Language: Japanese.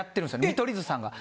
見取り図さんが。